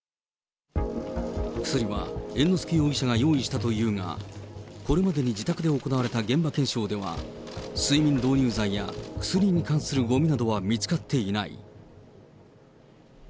薬は猿之助容疑者が用意したというが、これまでに自宅で行われた現場検証では、睡眠導入剤や薬に関するごみなどは見つかっていない。